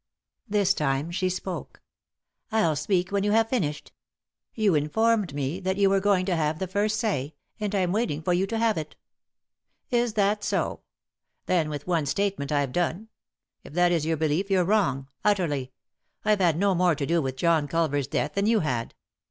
This time she spoke. "I'll speak when you have finished. You in formed me that you were going to have the first say ; I'm waiting for you to have it." " Is that so ? Then with one statement I've done. If that is your belief you're wrong, utterly. I've had no more to do with John Culver's death than you had."